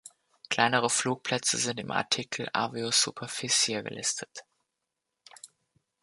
Kleinere Flugplätze sind im Artikel Aviosuperficie gelistet.